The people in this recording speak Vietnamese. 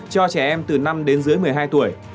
cho trẻ em từ năm đến dưới một mươi hai tuổi